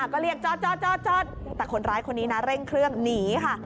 ก็เรียกจอดจอดแต่คนร้ายคนนี้นะเร่งเครื่องหนีค่ะ